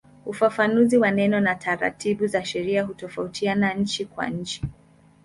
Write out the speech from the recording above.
Ufafanuzi wa neno na taratibu za sheria hutofautiana nchi kwa nchi.